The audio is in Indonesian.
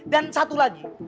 dan satu lagi